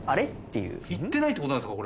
行ってないって事なんですか？